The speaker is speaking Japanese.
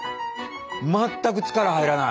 全く力入らない。